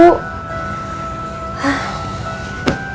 kalau cucu deket sama papa